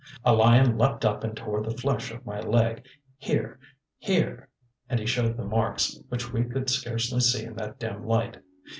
A lion leaped up and tore the flesh of my leg, here, here," and he showed the marks, which we could scarcely see in that dim light.